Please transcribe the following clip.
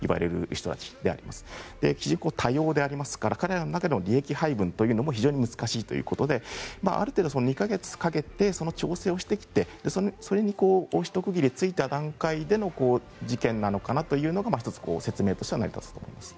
非常に多様ですから彼らの中での利益配分も非常に難しいということである程度、２か月かけて調整をしてきてそれにひと区切りついた段階での事件なのかなというのが１つ、説明としては濃厚だと思います。